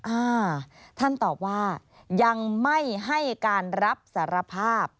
อ่าท่านตอบว่ายังไม่ให้การรับสารภาพ